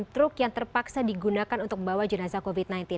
truk yang terpaksa digunakan untuk membawa jenazah covid sembilan belas